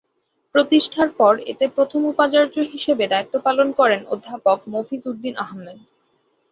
প্রতিষ্ঠার পর এতে প্রথম উপাচার্য হিসাবে দায়িত্ব পালন করেন অধ্যাপক মফিজ উদ্দীন আহমেদ।